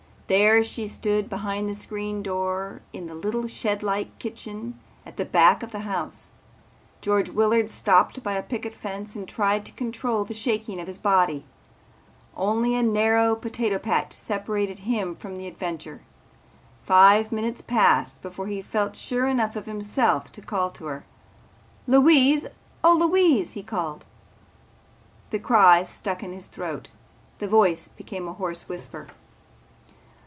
There she stood behind the screen door in the little shedlike kitchen at the back of the house. George Willard stopped by a picket fence and tried to control the shaking of his body. Only a narrow potato patch separated him from the adventure. Five minutes passed before he felt sure enough of himself to call to her. "Louise! Oh, Louise!" he called. The cry stuck in his throat. His voice became a hoarse whisper.